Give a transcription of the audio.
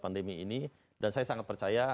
pandemi ini dan saya sangat percaya